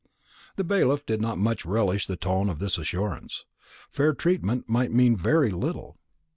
The bailiff did not much relish the tone of this assurance. Fair treatment might mean very little.